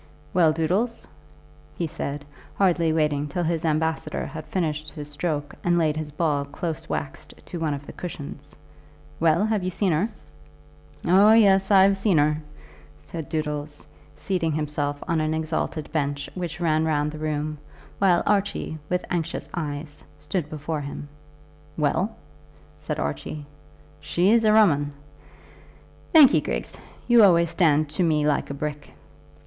"Well, Doodles," he said, hardly waiting till his ambassador had finished his stroke and laid his ball close waxed to one of the cushions. "Well; have you seen her?" "Oh, yes; I've seen her," said Doodles, seating himself on an exalted bench which ran round the room, while Archie, with anxious eyes, stood before him. "Well?" said Archie. "She's a rum 'un. Thank 'ee, Griggs; you always stand to me like a brick."